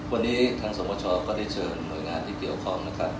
วันนี้ทางสมชก็ได้เชิญหน่วยงานที่เกี่ยวข้องนะครับ